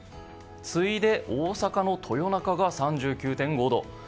次いで大阪の豊中が３９．５度。